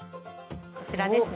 こちらですね